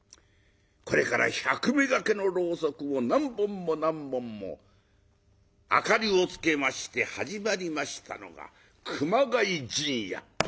これから百目がけのろうそくを何本も何本も明かりをつけまして始まりましたのが「熊谷陣屋」。